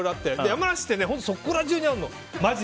山梨ってそこら中にあるの。